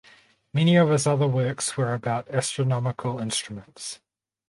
Many of his other works were about astronomical instruments.